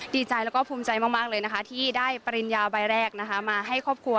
ดีใจแล้วก็ภูมิใจมากเลยนะคะที่ได้ปริญญาใบแรกนะคะมาให้ครอบครัว